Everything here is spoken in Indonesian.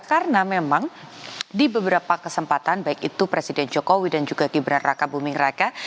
karena memang di beberapa kesempatan baik itu presiden jokowi dan juga gibran raka buming raka